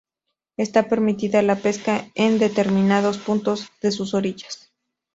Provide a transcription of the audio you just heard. Está permitida la pesca en determinados puntos de sus orillas.